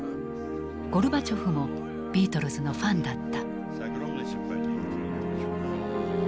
ゴルバチョフもビートルズのファンだった。